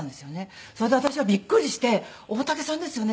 それで私はびっくりして「大竹さんですよね？」って。